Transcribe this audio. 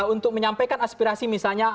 untuk menyampaikan aspirasi misalnya